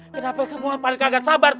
kenapa kamu yang paling kaget sabar sih